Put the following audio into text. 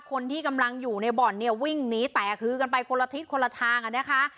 คนที่กำลังอยู่ในบ่อนเนี่ยวิ่งหนีแตกคือกันไปคนละทิศคนละทางอ่ะนะคะ